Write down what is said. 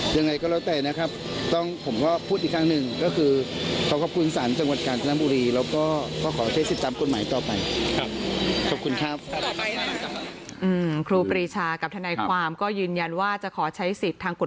ยังไงก็แล้วแต่นะครับ